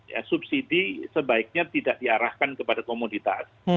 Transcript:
ya subsidi sebaiknya tidak diarahkan kepada komoditas